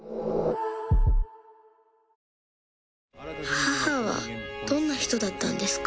母はどんな人だったんですか？